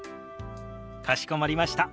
かしこまりました。